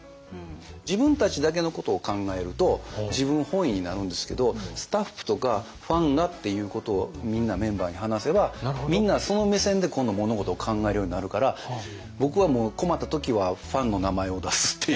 自分たちだけのことを考えると自分本位になるんですけどスタッフとかファンがっていうことをみんなメンバーに話せばみんなはその目線で今度物事を考えるようになるから僕はもう困った時はファンの名前を出すっていう。